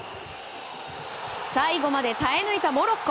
最後まで耐え抜いたモロッコ。